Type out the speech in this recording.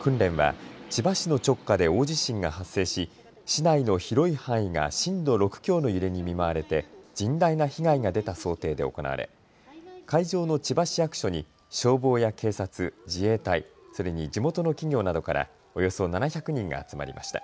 訓練は千葉市の直下で大地震が発生し市内の広い範囲が震度６強の揺れに見舞われて甚大な被害が出た想定で行われ会場の千葉市役所に消防や警察、自衛隊、それに地元の企業などからおよそ７００人が集まりました。